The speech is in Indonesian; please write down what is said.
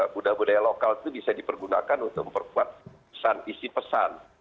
budaya budaya lokal itu bisa dipergunakan untuk memperkuat pesan isi pesan